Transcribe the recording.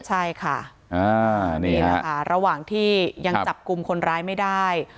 ใช่ค่ะระหว่างที่ยังจับกลุ่มคนร้ายไม่ได้